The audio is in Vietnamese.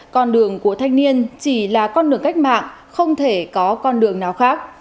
con đường của thanh niên chỉ là con đường cách mạng không thể có con đường nào khác